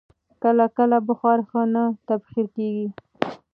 کله کله بخار ښه نه تبخیر کېږي.